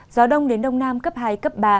gió đông đến đông nam cấp hai cấp ba